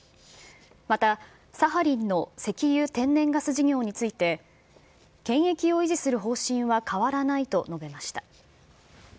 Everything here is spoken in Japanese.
またサハリンの石油・天然ガス事業について、権益を維持する方針は変わらないと述べました。